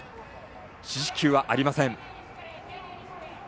四死球はありません。